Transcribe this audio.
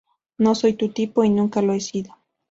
No soy su tipo y nunca lo he sido.